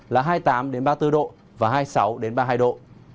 là hai mươi tám ba mươi bốn độ và hai mươi sáu ba mươi hai độ